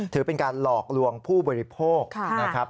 ถือเป็นการหลอกลวงผู้บริโภคนะครับ